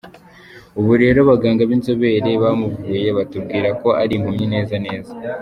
Ubu rero abaganga b’inzobere bamuvuye batubwiye ko ari impumyi neza neza.